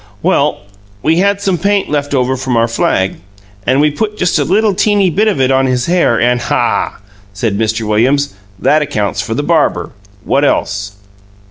"Well we we had some paint left over from our flag, and we put just a little teeny bit of it on his hair and " "Ha!" said Mr. Williams. "That accounts for the barber. What else?"